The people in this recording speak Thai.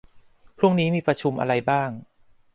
พรุ่งนี้มีประชุมอะไรบ้าง